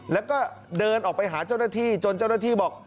แล้วก็เดินออกไปหาเจ้าหน้าที่จนเจ้าหน้าที่บอก